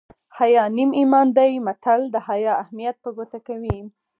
حیا نیم ایمان دی متل د حیا اهمیت په ګوته کوي